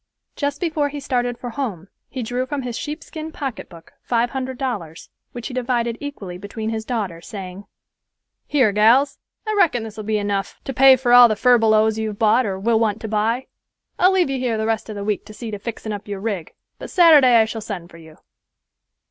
Just before he started for home he drew from his sheepskin pocketbook five hundred dollars, which he divided equally between his daughters, saying, "Here, gals, I reckon this will be enough to pay for all the furbelows you've bought or will want to buy. I'll leave you here the rest of the week to see to fixin' up your rig, but Saturday I shall send for you."